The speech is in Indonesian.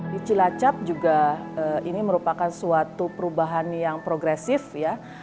di cilacap juga ini merupakan suatu perubahan yang progresif ya